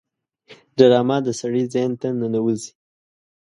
ډرامه د سړي ذهن ته ننوزي